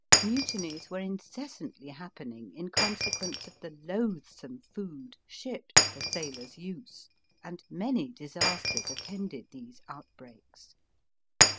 Mutinies were incessantly happening in consequence of the loathsome food shipped for sailors use, and many disasters attended these outbreaks.